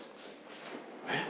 えっ？